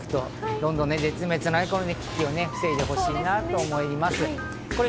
どんどん絶滅の危機を防いでほしいなと思います。